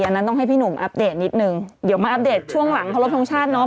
อันนั้นต้องให้พี่หนุ่มอัปเดตนิดนึงเดี๋ยวมาอัปเดตช่วงหลังเคารพทงชาติเนอะ